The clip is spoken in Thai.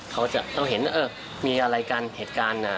เขาเห็นมีอะไรกันเหตุการณ์